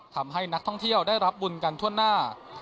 ทำให้นักท่องเที่ยวได้รับบุญกันทั่วหน้า